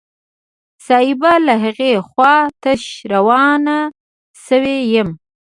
صايبه له هغې خوا تش روان سوى يم.